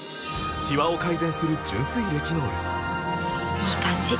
いい感じ！